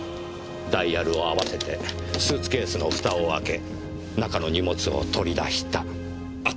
ダイヤルを合わせてスーツケースのフタを開け中の荷物を取り出した後！